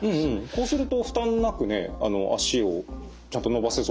こうすると負担なくね足をちゃんと伸ばせそうですね。